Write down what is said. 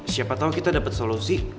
siapa tau kita dapet solusi